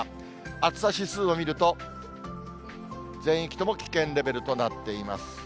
暑さ指数を見ると、全域とも危険レベルとなっています。